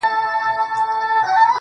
o زما په سترگو كي را رسم كړي.